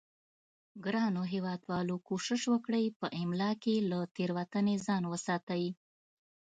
ګرانو هیوادوالو کوشش وکړئ په املا کې له تیروتنې ځان وساتئ